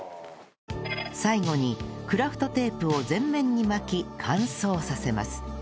最後にクラフトテープを全面に巻き乾燥させます